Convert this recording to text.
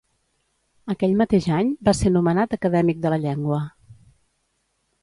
Aquell mateix any va ser nomenat acadèmic de la llengua.